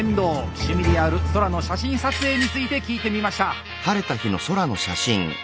趣味である空の写真撮影について聞いてみました。